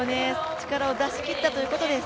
力を出し切ったということです。